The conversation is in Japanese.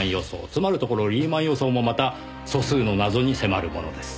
つまるところリーマン予想もまた素数の謎に迫るものです。